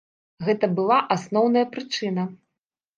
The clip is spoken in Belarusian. Гэта была асноўная прычына.